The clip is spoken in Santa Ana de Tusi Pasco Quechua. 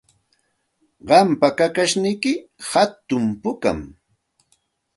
Qampa kakashniyki hatun pukami.